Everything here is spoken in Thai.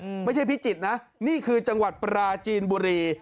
ไม่ใช่พิจิตรนะนี่คือจังหวัดปราจีนบุรี